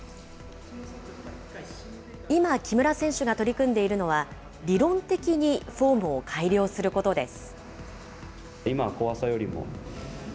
今、木村選手が取り組んでいるのは、理論的にフォームを改良することです。